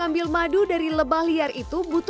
kan tak ada apa yang kita ambil